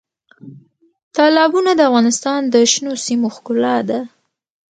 تالابونه د افغانستان د شنو سیمو ښکلا ده.